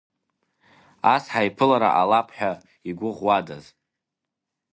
Ас ҳаиԥылара ҟалап ҳәа игәыӷуадаз?!